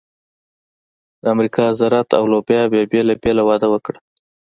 د امریکا ذرت او لوبیا بېله بېله وده وکړه.